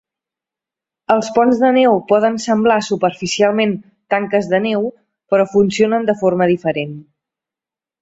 Els ponts de neu poden semblar superficialment tanques de neu, però funcionen de forma diferent.